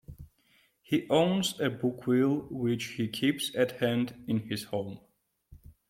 He owns a bookwheel which he keeps at hand in his home.